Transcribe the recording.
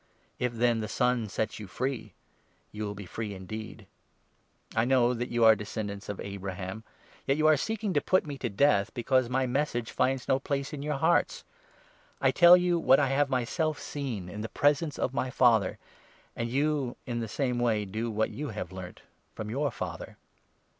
If, then, the Son sets you free, you 36 will be free indeed ! I know that you are descendants of 37 Abraham ; yet you are seeking to put me to death, because my Message finds no place in your hearts. I tell you what I 38 have myself seen in the presence of my Father ; and you, in the same way, do what you have learnt from your father."